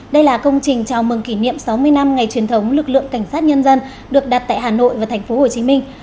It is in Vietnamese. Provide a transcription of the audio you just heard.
đây là công trình chào mừng kỷ niệm sáu mươi năm ngày truyền thống lực lượng cảnh sát nhân dân được đặt tại hà nội và thành phố hồ chí minh